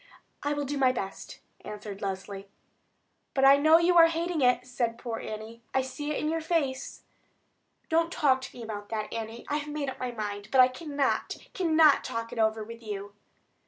"I will do my best," answered Leslie. "But I know you are hating it," said poor Annie. "I see it in your face." "Don't talk to me about that, Annie. I have made up my mind; but I cannot, cannot talk it over with you."